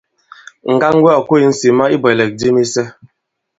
Ŋgaŋ wɛ ɔ̀ ko᷇s ŋsìma i ibwɛ̀lɛ̀k di misɛ.